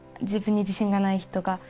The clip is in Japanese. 自分に自信がない人が。